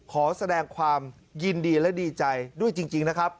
ขอแสดงความยินดีและดีใจด้วยจริงนะครับ